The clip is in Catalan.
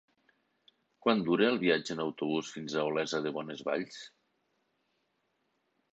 Quant dura el viatge en autobús fins a Olesa de Bonesvalls?